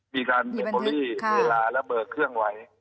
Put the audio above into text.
มีบันทึกมีเวลาระเบิกเครื่องไว้